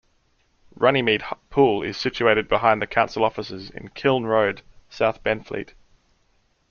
Runnymede Pool is situated behind the Council Offices in Kiln Road, South Benfleet.